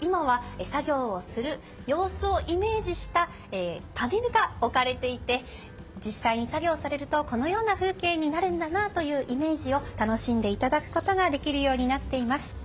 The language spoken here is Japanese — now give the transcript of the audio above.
今は作業をする様子をイメージしたパネルが置かれていて実際に作業されるとこのような風景になるんだなというイメージを楽しんでいただくことができるようになっています。